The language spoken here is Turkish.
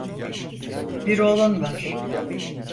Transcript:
Bir oğlun var.